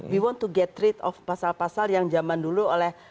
we want to getreat of pasal pasal yang zaman dulu oleh